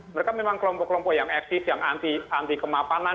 mereka memang kelompok kelompok yang eksis yang anti kemapanan